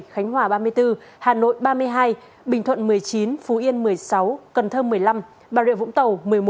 khánh hòa ba mươi bốn hà nội ba mươi hai bình thuận một mươi chín phú yên một mươi sáu cần thơ một mươi năm bà rịa vũng tàu